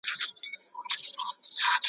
اوس د کوه قاف له تُرابان سره به څه کوو.